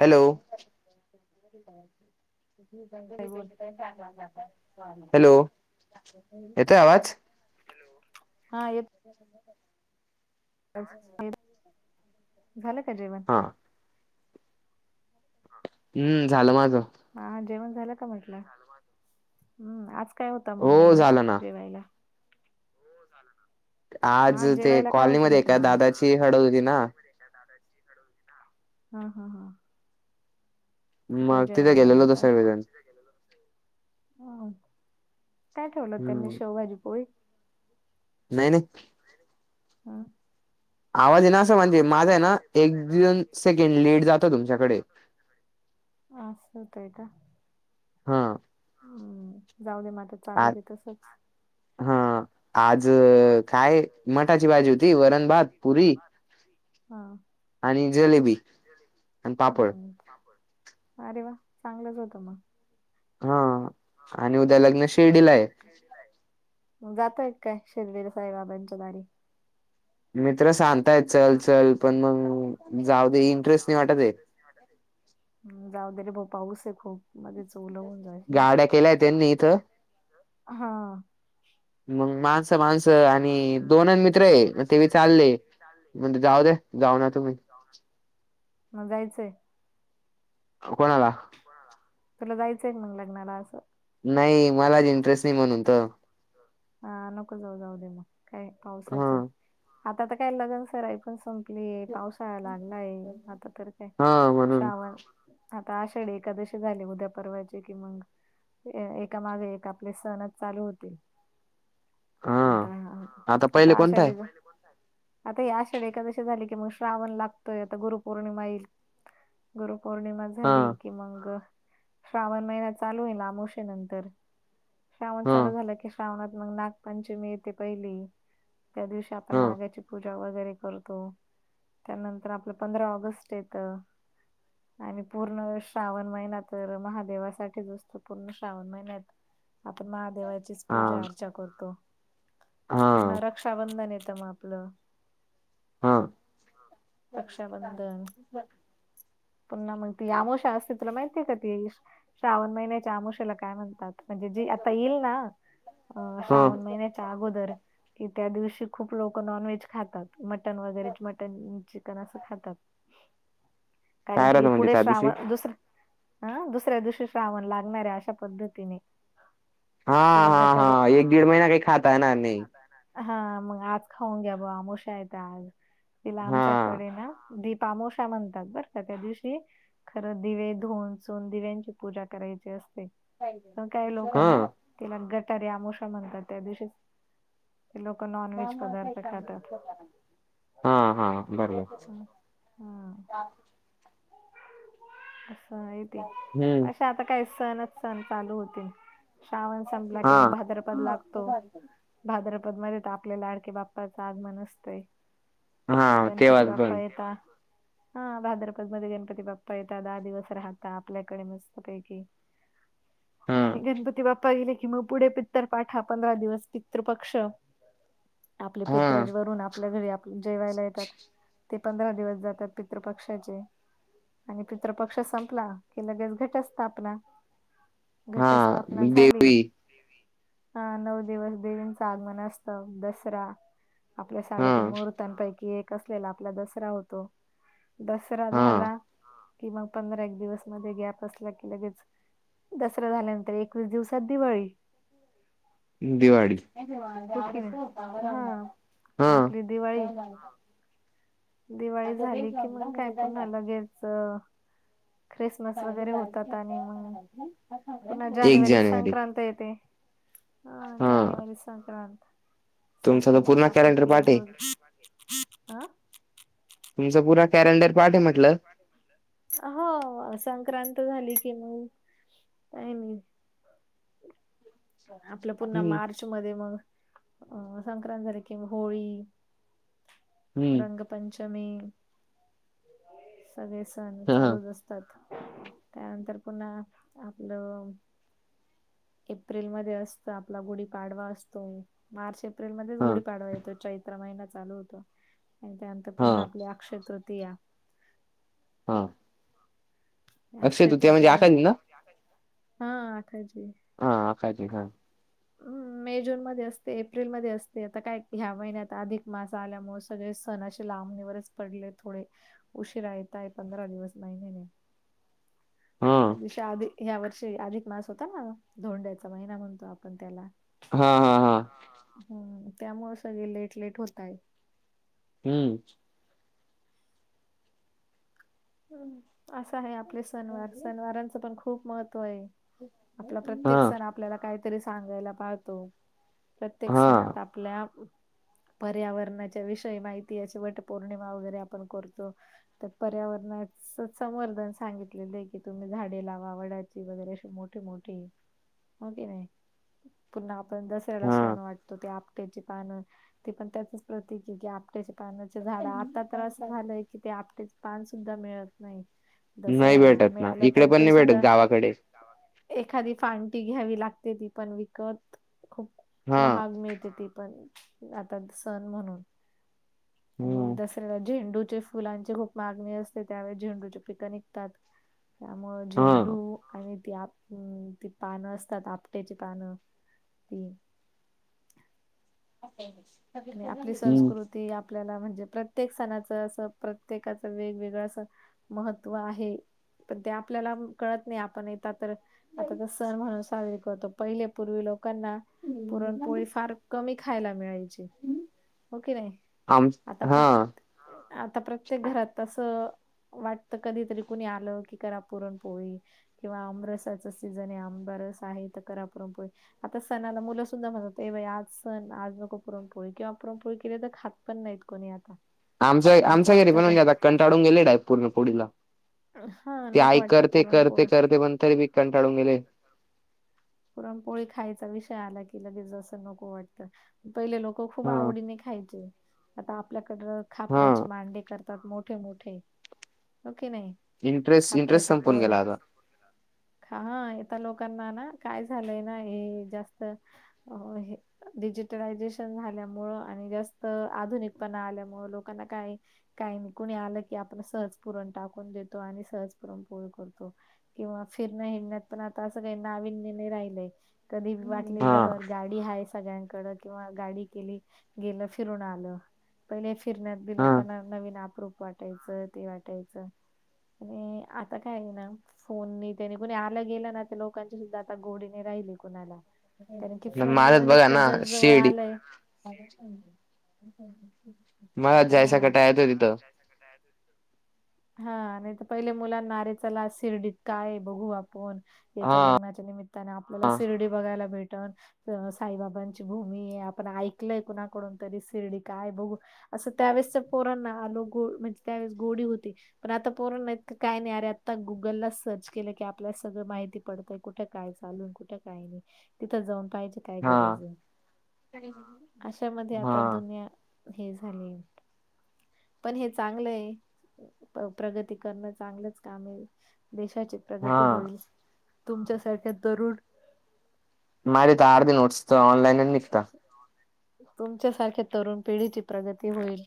Hello काय बोल hello येतोय आवाज हा येतो झालं का जेवण हा हा हं, झालं माझं. ह जेवण झालं का म्हटलं हं आज काय होता मग हो मेनू झालं ना जेवायला आज हा ते जेवायला काय होतं म्हटलं कॉलनीमध्येएका आज दादाची हळद होती ना हा हा हा तिकडे मग तिथे जेवायला गेला गेल्यावर कसं काय वेळ मिळल ह काय ठेवलं त्यांनी हम्म शेव भाजी पोळी नाही नाही हा आवाज आहे ना असं म्हणजे माझा आहे ना एक दोन सेकंड लेट जातो तुमच्याकडे अस होतय, का हा हं, जाऊ दे मग चालू आ दे तसच हा आज काय मठाची भाजी होती वरण भात पुरी हा आणि जलेबी आणि पापड हम्म अरे वा चांगलंच होतं मग हा आणि उद्या लग्न शिर्डीला आहे जातोय काय शिर्डीला साईबाबांच्या दारी मित्र सांगतायेत चल चल पण मग जाऊ दे इंटरेस्ट नाही वाटत आहे जाऊदे रे भाऊ पाऊस खूप आधीच ओल, होऊन गाड्या केल्याय त्यांनी इथं हा मग माज माणसं आणि दोन मित्र आहे मग ते पण, चालले म्हण जाऊदे जाऊन येतो मी मग जायचंय आहों, कोणाला तुला जायचं आहे मग लग्नाला असं नाही मलाच इंटरेस्ट नाही म्हणून त हा नको जाऊ जाऊ दे मग काय हा पावसाचे आता तर काय लग्न सराई पण संपली मे पावसाळा, लागलाय आता तर काय, हा म्हणून श्रावण आता आषाढी एकादशी झाली उद्या परवाची, की मग एकामागे एक आपले सणच चालू होतील हा अह पहिले आता कोणता आहे आषाढी आता या आषाढीएकादशी झाली की मग श्रावण लागतोय आता गुरुपौर्णिमा येईल गुरुपौर्णिमा हा झाली की मग, श्रावण महिना चालू होईन आमोशे नंतर. श्रावण हा चालू झालं की श्रावणात मग नागपंचमी येते पहिली. त्या दिवशी आपण हा नागाची पूज ज्या वगैरे करतो, त्यानंतर आपलं पंधरा ऑगस्ट येत. आणि पूर्ण श्रावण महिना तर महादेवासाठीच असतो पूर्ण श्रावण महिन्यात आपण महादेवा चीच पूजा हा अर्चा करतो, पुन्हा हा रक्षाबंधन येतं म आपलं. हा हा, रक्षाबंधन. पुन्हा म ती आमोशा असते तुला माहिती आहे का ती? श्रावण महिन्याच्या आमोशेला काय म्हणतात म्हणजे जी आता येईल ना? अ ह श्रावण महिन्याच्या अगोदर, कि त्या दिवशी खूप लोक नॉन व्हेज खातात. मटन वगैरे मटन चिकन असं खातात. कारण काय राहत की म्हणते पुढे त्या दिवशी श्रावण दुसरा आ दुसऱ्या दिवशी श्रवण लागणाऱ्या अशा पद्धतीने. हा तिला हा गटारे हा एक दीड महिना काही खाता येणार नाही. हा मग आज खाऊन घ्याब आमोशा आहेेत आज. तिला हा आमच्याकडे ना दीपआमोशा म्हणतात बर का त्या दिवशी खरं दिवे धुन सून दिव्यांची पूजा करायची असते. तर काही लोक हा ना, तिला गटारी आमोशा म्हणतात त्या दिवशीच. ते लोकं नॉन व्हेज पदार्थ खातात. हा हा भरलं एकच हा की, [unintelligible] [unintelligible] असं आहे ते हम्म अशा आता काय सणच सण चालू होतील, श्रावण संपला कि हा म भाद्रपद लागतो. भाद्रपदमध्ये तर आपल्या लाडके बाप्पाचं आगमन असतंय. हा गणपती तेव्हाच बाप्पा पण येता. हा भाद्रपद मध्ये गणपती बाप्पा येतात दहा दिवस राहता आपल्याकडे मस्त पैकी. हा आणि गणपती बाप्पा गेले की मग पुढे पित्तर पाठा पंधरा दिवस पित्रपक्ष. आपले हा पित्रज वरून आपल्या घरी आप जेवायला येतात. ते पंधरा दिवस जातात पित्रपक्षाचे. आणि पित्रपक्ष संपला की लगेच घटस्थापना. हा घटस्थापना झाली देवी हा नऊ दिवस देवींचं आगमन असतं दसरा आपल्या हा साडेतीन मुहूर्तांपैकी एक असलेला आपला दसरा होतो, दस रा हा झाला, की मग पंधरा एक दिवस मध्ये गॅप असला की लगेच दसरा झाल्यानंतर एकवीस दिवसात दिवाळी. दिवाळी हो की नाही हा [unintelligible] हां आपली दिवाळी [unintelligible] दिवाळी झाली की मग काय पुन्हा लगेच ख्रिसमस वगैरे होतात आणि म, पुन्हा एक जानेवारीत जानेवारी संक्रांत येते. हा जानेवारी स संक्रांत, तुमचा तर संक्रांतीत पूर्ण आपलं कॅलेंडर पाठ आहे तिळगुळ, आं. तुमचा पुरा कॉरल तुमचा कॅरल लई पाठ म्हणलं. आ हो संक्रांत झाली की मग, काय नाही. [inaudible] आपलं पुन्हा हम्म मार्च मध्ये मग अं संक्रांत झाले. की मग होळी, हम्म रंगपंचमी सगळे सण हा चालूच असतात. त्यानंतर पुन्हा आपलं एप्रिलमध्ये असतं. आपला गुढी पाडवा असतो. मार्च एप्रिल मध्येच हा गुढी पाडवा येतो. चै त्र महिना चालू होतो. आणि त्यानंतर हा पुन्हा आपली अक्षय तृतीया. हां अक्षय तृतीया म्हणजे आखाजी ना! हां आखाजी हां आखाजी हा [inaudible] मे जून मध्ये असते. एप्रिलमध्ये असते. आता काय ह्या महिन्यात अधिक मास आल्यामुळे सगळे सण असे. लामणीवरच पडले. थोडे उशिरा येत आहे. पंधरा दिवस महिन्याने हा ह्या वर्षी अधिक मास होता. ना धोंड्याचा महिना म्हणतो आपण त्याला हा हा हा हम्म त्यामुळे सगळे लेट लेट होता येत. हम्म असं आहे. आपले सण वार सणवारांचं पण खूप महत्व हे आपला हा प्रत्येक सण आपल्याला काही तरी सांगायला पाहतो. प्रत्येक हा सणात आपल्या पर्यावरणाच्या विषय माहिती अशी वटपौर्णिमा वगैरे आपण करतो. तर पर्यावरण च संवर्धन सांगितलेले आहे. की तुम्ही झाडे लावा वडाची वगैरे अशी मोठे मोठे हो की नाही! पुन्हा आपण दसऱ्याला हा सोनं वाटतो. ते आप पट्याची पान ते पण त्याचच प्रतीक आहे. की आपट्याचे पानाचे झाड आता तर असं झालंय! कि ते आपट्याचं पान सुद्धा मिळत नाही. नाही दसऱ्याला भेटत ना मिळालं इकडे तर पण ते नाही भेटत सुद्धा गावाकडे गावाकडे एखादी फांटी घ्यावी लागते. ती पण विकत खूप हा महाग मिळते. ती पण आता सण म्हणून आणि हा दसऱ्याला झेंडूचे फुलांची खूप मागणी असं ते त्यावेळी झेंडूची पिकं निघतात. त्यामुळे हा झेंडू आणि त्या हम्म ती पान असतात. आपट्याची पान ती [inaudible] आणि आपली हम्म संस्कृती आप ल्याला म्हणजे प्रत्येक सणाच असं प्रत्येकाच वेगवेगळ असं महत्त्व आहे. पण ते आपल्याला कळत नाही. आपण येेत तर आता तर सण म्हणून साजरी करतो. पहिले पूर्वी लोकांना पुरणपोळी फार कमी खायला मिळायची हो की नाही! आम आता हा प्रत आता प्रत्येक घरात तसं वाटतं कधी तरी कोणी आलं की करा. पुरणपोळी किंवा आंबरसाच सीझन आहे. आंबारस आहे. तर करा पुरणपोळी आता सणाला मुलं सुद्धा म्हणत. ये बाई आज सण आज नको पुरण पोळी किंवा पुरणपोळी केली. तर खात पण नाहीत. कोणी आता आमच्या नको आमच्या घरी वाटतं पण ते म्हजे आता कंटाळून गेले डायरेक्ट आहे. पूर्ण पुरणपोळीला हा ते नको आई वाटतं करते करते पुरणपोळी करते, पण तरी बी कंटाळून गेले. पुरण पोळी खायचा विषय आला की लगेच. असं नको वाटतं. पहिले लोक खूप हा आवडीने खायचे आता आपल्याकड हा खापऱ्याची मांडे करतात. मोठे मोठे हो कि नाही! इंटरेस्ट इंटरेस्ट खापरायच्या संपून पोह्या गेला आता हा येता लोकांना ना. काय झालंय नाही जास्त अ हे. डिजिटलायझेशन झाल्यामुंळ आणि जास्त आधुनिकपणा आल्यामुंळ लोकांना काही. काही कुणी आलं की आपण सहज पुरण टाकून देतो आणि सहज पुरण पोळी करतो किंवा फिरण हिडण्यात पण आता असं काही नाविन्य नाही राहिलंय. कधी हा वाटलेलं हर गाडी आहे सगळ्यांकड किंवा गाडी केली. गेलं फिरून आलं. पहिले फिरण्यात बी हा लोकांना नवीन आपपरूप वाटायचं ते वाटायचं आणि आता काय आहे ना फोन त्याने कुणी आलं गेलं ना त्या लोकांचे सुद्धा आता गोडीने राहिली कुणाला कारण की फोन माझ्यात मुळ बघा इतका ना जग जवळ शिर्डी आलंय मला जायसा हा कटायत हो तिथं [unintelligible] हा नाही तर पहिले मुलां नारेचाला शिर्डीत काय बघू आपण हा याच्या लग्नाच्या निमित्ताने आपल्याला शिर्डी बघायला भेटन अ साईबाबांची भूमी आपण ऐकलय कुणाकडून तरी शिर्डी काय बघू. असं त्यावेळेसच्या पोरांना आलो गो म्हणजे त्यावेळेस गोडी होती. पण आता पोरणत काय नाही अरे आता गुगलला सर्च केलं की आपल्याला सगळं माहिती पडतय कुठे काय चालून कुठ काय नाही तिथं जाऊन पाहिजे. काय हा गरज आहे अशामध्ये हा आता दुनिया हे पण हे चांगलंय प्रगती करणं चांगलंच काम आहे देशाचे हा प्रगती होईल तुमच्यासारख्या तरुड माझ तार दि नोटस तर ऑलाईन निघता तुमच्यासारख्या तरुण पिढीची प्रगती होईल.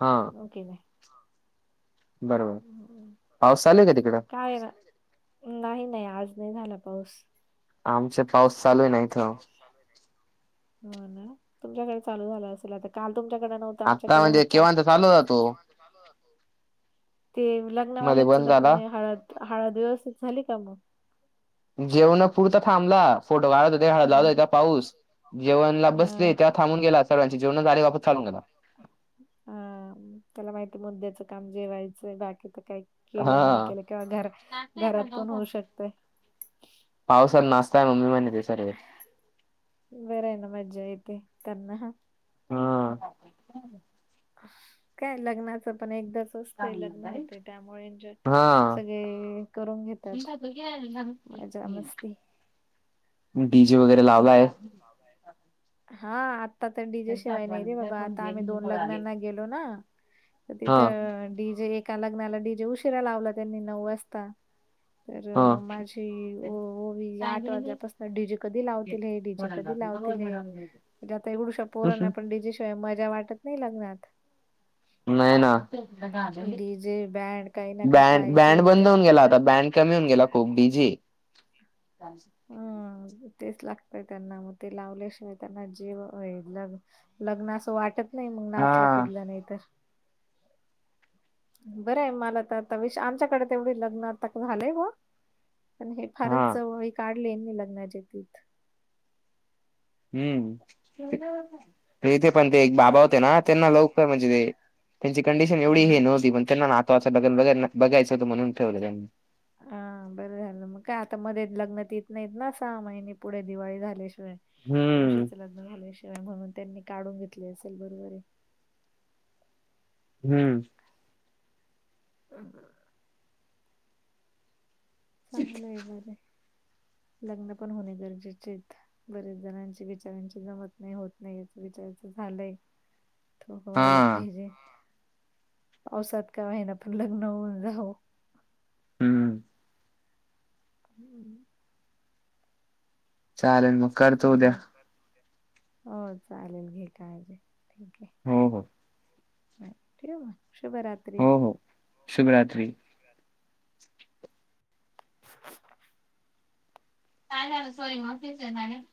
हा. ओके. बरोबर पाऊस चालूय का तिकडं? काय नाही नाही आज नाही झाला पाऊस. आमचा पाऊस चालूय ना इथं हो ना तुमच्याकडे चालू झालं असेल आता काल तुमच्याकडे नव्हत आता आमच्याकड म्हणजे होता. केव्हांत चालू होता तो ते मध्ये लग्नावाल्यांचं बंद झाला लग्न हळद हळद व्यवस्थित झाली का मग? जेवण पुरता थांबला फोटो व्हायरत होता हळद लावला होता पाऊस जेवणला हम्म. बसले तेव्हा थांबून गेला सर्वांचे जेवण झाले वापस चालून गेला. हा त्याला माहिती मुद्द्याचं काम जेवायचंय बाकी तर काही केलं नाही हा केलं किंवा घर घरात पण होऊ शकतय पावसात नाचता आहे मम्मी म्हणे ते सर्व बरं आहे ना मज्जा येते त्यांना हा हा.. काय लग्नाचं पण एकदा वते लग्न होते त्यामुळे हा सगळे करून घेतात मजा मस्ती डीजे वगैरे लावला आहे? हा आत्ता तर डी जे शिवाय नाही रे बाबा आता आम्ही दोन लग्नांना गेलो ना. हा तिथं अ डी जे. एका लग्नाला डी जे उशीरा लावला त्यांनी. नऊ वाजता. तर हा माझी ओवी, आठ वाजल्यापासून डी जे कधी लाव तील हे. डी जे कधी लावतील हे. म्हणजे आता एवढुशा पोरांना पण डी जे शी मजा वाटत नाही, लग्नात नाही ना. डीजे बँड काही ना काही बँ -बँड पाहिजे बंद तेव्हा होऊन गेला. आता बँड कमी होऊन गेला खूप. D J. हम. तेच लागतय त्यांना. मग ते लावल्याशिवाय त्यांना जेव लग लग्न असं वाटत नाही, मग. हा नाचलं कुठलं नाही तर. बरंय. मला तर आता विष आमच्याकडे, तेवढी लग्न ता झालंय बुवा. पण हे हा फारच जवळी, काढले नी लग्नाचे तिथ. हम्म. ते [inaudible] तिथे पण ते एक बाबा होते ना. त्यांना लवकर म्हणजे, ते त्यांची कंडिशन एवढी हम्म. हे नव्हती. पण त्यांना ना तंवाच लग्न, बघ बा बघायंच होत. म्हणून ठेवलं त्यांनी. हा. बरं झालं मग. काय आता मध्ये लग्न तीथ नाहीत ना, सहा महिने. पुढे दिवाळी झाल्याशिवाय हम्म. तुळशीचं लग्न झाल्याशिवाय. म्हणून त्यांनी, काढून घेतली असेल बरोबरय. हम. ह, ह. चांगलंय. बरय. लग्न पण होणे गरजेचेयत. बरेच जणांची बीचाऱ्याची जमत नाही, होत नाही. याच बीचाऱ्याचं झालंय. [unintelligible] हा व्हायला पाहिजे. पावसात का होईना, पण लग्न होऊन जावो. हम्. हम्. चालेल मग, करतो उद्या. चालेल हो, चालेल. घे काळजी. ठीकय. हो, हो. हो. ठेऊ म. शुभरात्री. शुभ रात्री. [unintelligible] [inaudible] काय झालं, सॉरी मग [unintelligible]